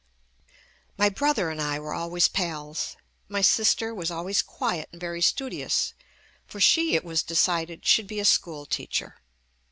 My brother and I were always pals. My sister was always quiet and very studious, for she, it was decided, should be a school teacher.